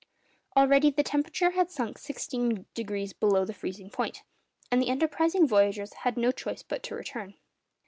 Already the temperature had sunk sixteen degrees below the freezing point; and the enterprising voyagers had no choice but to return.